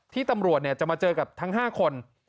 ที่ตำรวจจะมาเจอกับทั้ง๕คน